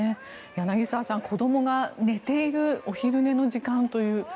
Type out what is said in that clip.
柳澤さん、子どもが寝ているお昼寝の時間という。